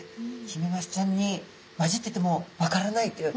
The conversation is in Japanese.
ヒメマスちゃんに交じってても分からないっていう。